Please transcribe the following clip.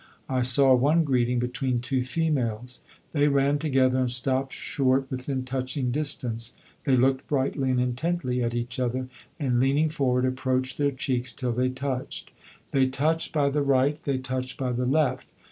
I saw one greeting between two females. They ran together and stopped short within touching distance. They looked brightly and intently at each other, and leaning forward approached their cheeks till they touched. They touched by the right, they touched by the left.